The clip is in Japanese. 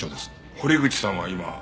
堀口さんは今？